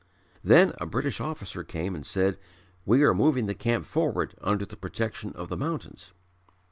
Then a British officer came and said: "We are moving the camp forward under the protection of the mountains."